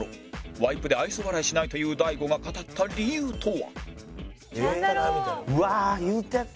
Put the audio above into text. ワイプで愛想笑いしないという大悟が語った理由とは？なんだろう？